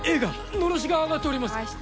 のろしが上がっております！